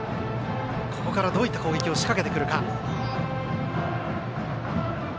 ここからどういった攻撃を仕掛けてくるか。